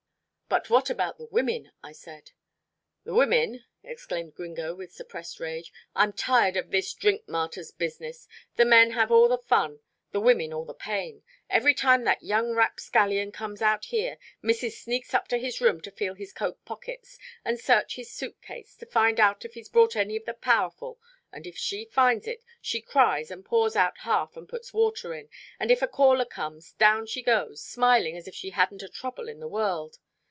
"But what about the women?" I said. "The women," exclaimed Gringo with suppressed rage, "I'm tired of this drink martyr's business. The men have all the fun, the women all the pain. Every time that young rapscallion comes out here, missis sneaks up to his room to feel his coat pockets, and search his suit case, to find out if he's brought any of the powerful, and if she finds it, she cries, and pours out half and puts water in, and if a caller comes, down she goes, smiling as if she hadn't a trouble in the world.